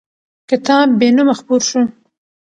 کتاب بېنومه خپور شو.